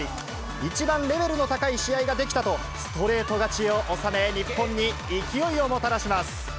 一番レベルの高い試合ができたと、ストレート勝ちを収め、日本に勢いをもたらします。